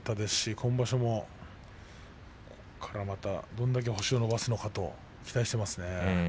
今場所もここからまたどれだけ星を伸ばすのかと期待していますね。